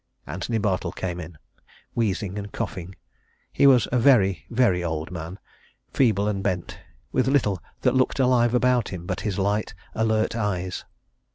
Antony Bartle came in, wheezing and coughing. He was a very, very old man, feeble and bent, with little that looked alive about him but his light, alert eyes.